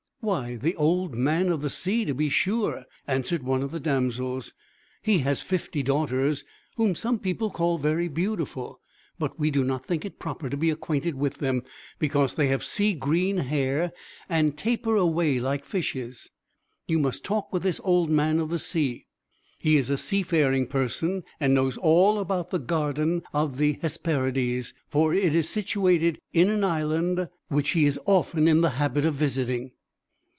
"Why, the Old Man of the Sea, to be sure!" answered one of the damsels. "He has fifty daughters, whom some people call very beautiful; but we do not think it proper to be acquainted with them, because they have sea green hair, and taper away like fishes. You must talk with this Old Man of the Sea. He is a seafaring person, and knows all about the garden of the Hesperides, for it is situated in an island which he is often in the habit of visiting."